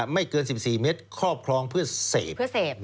ไม่เกิน๑๔เมตรครอบครองเพื่อเสพ